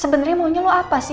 sebenernya maunya lo apa sih